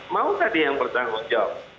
mau tadi yang bertanggung jawab